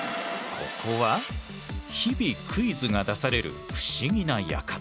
ここは日々クイズが出される不思議な館。